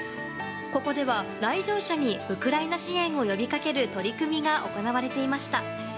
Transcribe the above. ここでは、来場者にウクライナ支援を呼びかける取り組みが行われていました。